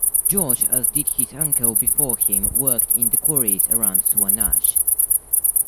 George, as did his uncle before him, worked in the quarries around Swanage.